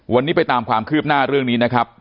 วันนี้ไปตามความคืบหน้าเรื่องนี้นะครับ